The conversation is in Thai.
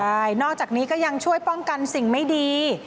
ใช่นอกจากนี้ก็ยังช่วยป้องกันสิ่งไม่ดี